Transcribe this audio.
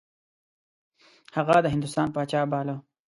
هغه د هندوستان پاچا باله.